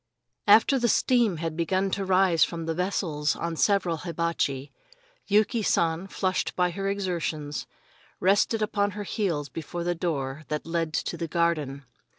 After the steam had begun to rise from the vessels on several hibachi, Yuki San, flushed by her exertions, rested upon her heels before the door that led into the garden.